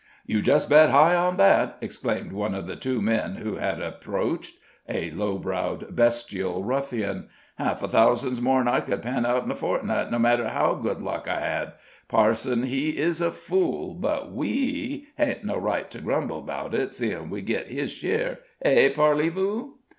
"You just bet high on that!" exclaimed one of the two men who had approached, a low browed, bestial ruffian. "Half a' thousan' 's more'n I could pan out in a fortnight, no matter how good luck I had. Parson he is a fool, but we, hain't no right to grumble 'bout it, seein' we git his share hey, Parleyvoo?"